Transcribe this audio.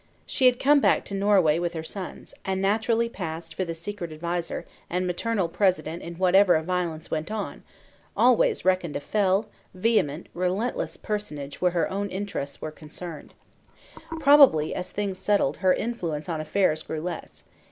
She had come back to Norway with her sons; and naturally passed for the secret adviser and Maternal President in whatever of violence went on; always reckoned a fell, vehement, relentless personage where her own interests were concerned. Probably as things settled, her influence on affairs grew less.